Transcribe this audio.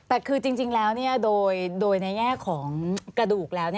แต่คือจริงแล้วโดยในแง่ของกระดูกแล้ว